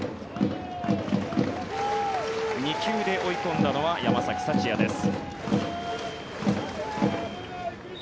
２球で追い込んだのは山崎福也です。